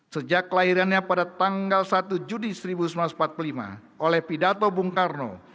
sejak kelahirannya pada tanggal satu juni seribu sembilan ratus empat puluh lima oleh pidato bung karno